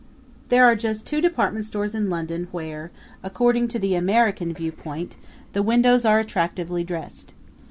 There are just two department stores in London where, according to the American viewpoint, the windows are attractively dressed.